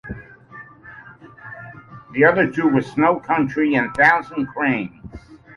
The other two were "Snow Country" and "Thousand Cranes".